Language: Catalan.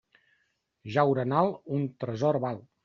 Jaure en alt, un tresor val.